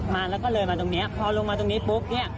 มาแล้วก็เลยมาตรงนี้พอลงมาตรงนี้ปุ๊บเนี่ย